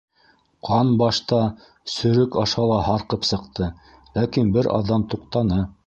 Ҡан башта сөрөк аша ла һарҡып сыҡты, ләкин бер аҙҙан туҡтаны.